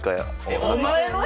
お前の！？